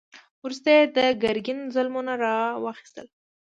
وروسته یې د ګرګین ظلمونه را واخیستل.